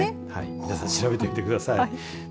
皆さん調べてみてください。